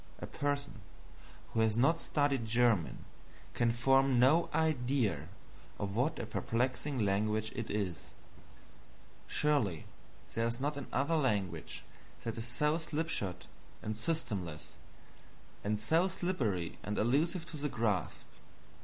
A person who has not studied German can form no idea of what a perplexing language it is. Surely there is not another language that is so slipshod and systemless, and so slippery and elusive to the grasp.